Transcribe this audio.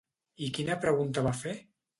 I quina pregunta va fer?